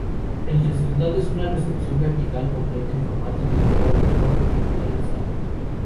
El resultado es una resolución vertical completa en formato de video no entrelazado.